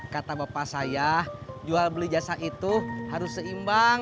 kata bapak saya jual beli jasa itu harus seimbang